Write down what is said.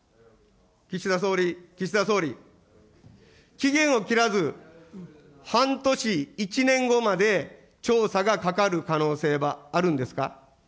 岸田総理、岸田総理、期限を切らず、半年、１年後まで調査がかかる可能性はあるんですか。